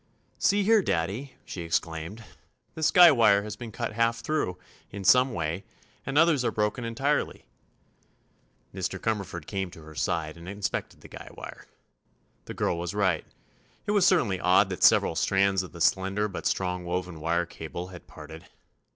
"See here, Daddy," she exclaimed; "this guy wire has been cut half through, in some way, and others are broken entirely." Mr. Cumberford came to her side and inspected the guy wire. The girl was right. It was certainly odd that several strands of the slender but strong woven wire cable had parted.